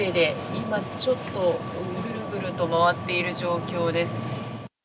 今、ちょっとぐるぐると回っている状況です。